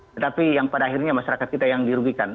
tetapi yang pada akhirnya masyarakat kita yang dirugikan